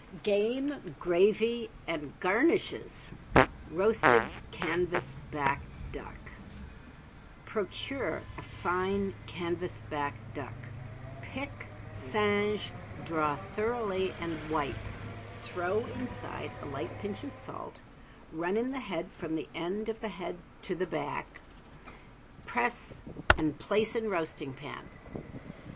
GAME, GRAVY AND GARNISHES ~ROASTED CANVAS BACK DUCK~ Procure a fine canvas back duck, pick, singe, draw thoroughly and wipe; throw inside a light pinch of salt, run in the head from the end of the head to the back, press and place in a roasting pan.